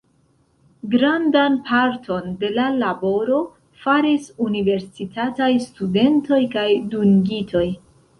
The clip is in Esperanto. Grandan parton de la laboro faris universitataj studentoj kaj dungitoj.